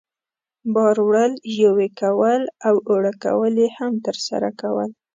بار وړل، یوې کول او اوړه کول یې هم ترسره کول.